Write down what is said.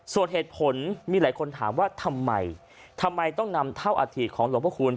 ส่วนเหตุผลมีหลายคนถามว่าทำไมทำไมต้องนำเท่าอาถิของหลวงพระคุณ